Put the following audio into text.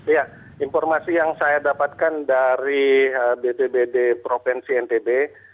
ya informasi yang saya dapatkan dari bpbd provinsi ntb